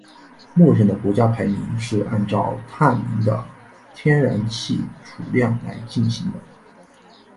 默认的国家排名是按照探明的天然气储量来进行的。